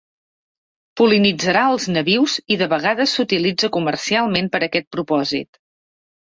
Pol·linitzarà els nabius i de vegades s'utilitza comercialment per a aquest propòsit.